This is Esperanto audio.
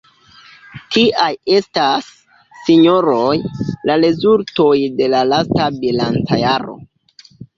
Tiaj estas, sinjoroj, la rezultoj de la lasta bilancjaro.